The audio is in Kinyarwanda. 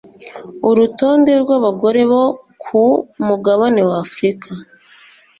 urutonde rw'abagore bo ku mugabane wa Afrika